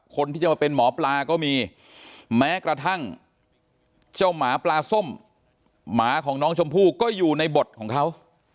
ก็มีแม้กระทั่งเจ้าหมาปลาส้มหมาของน้องชมพูก็อยู่ในบทของเขา